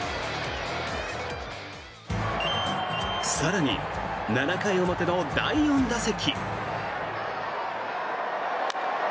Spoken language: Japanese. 更に、７回表の第４打席。